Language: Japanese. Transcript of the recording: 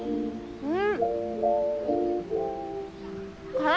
うん。